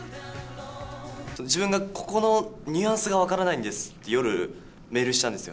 自分が、ここのニュアンスが分からないんですって、夜、メールしたんですよ。